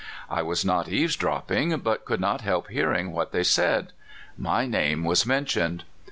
I was not eavesdropping, but could not help hearing what they said. My name was mentioned.